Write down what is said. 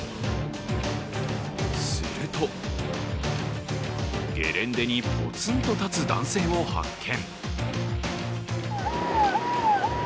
すると、ゲレンデにぽつんと立つ男性を発見。